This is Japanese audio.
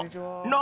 何？